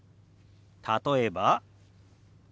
例えば。